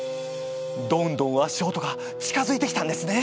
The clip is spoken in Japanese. どんどん足音が近づいてきたんですね。